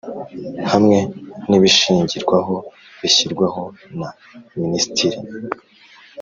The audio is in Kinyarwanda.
hamwe n ibishingirwaho bishyirwaho na Minisitiri